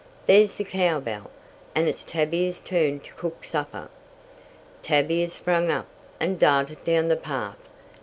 "There's the cowbell. And it's Tavia's turn to cook supper!" Tavia sprang up and darted down the path.